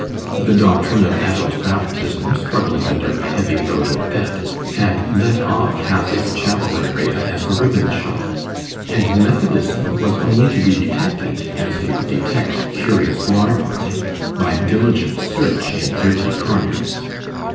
The doctrine of adult baptism, struggling under a heavy load of debt, had let off half its chapel area as a ribbon shop; and Methodism was only to be detected, as you detect curious larvae, by diligent search in dirty corners.